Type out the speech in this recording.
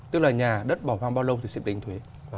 tức là nhà đất bỏ hoang bao lâu thì sẽ đánh thuế